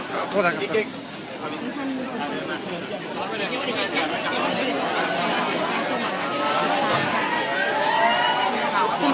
ขอโทษนะครับครับ